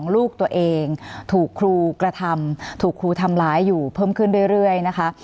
ลูกตัวเองถูกครูกระทำถูกครูทำร้ายอยู่เพิ่มขึ้นเรื่อยนะคะ